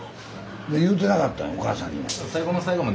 言うてなかったんやお母さんにも。